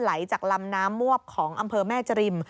ไหลจากลำน้ำมวบของอำเภอแม่จริม